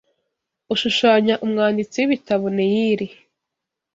ushushanya umwanditsi w'ibitabo Neyili